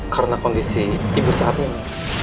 karena kondisi ibu saat ini